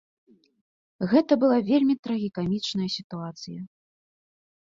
Гэта была вельмі трагікамічная сітуацыя.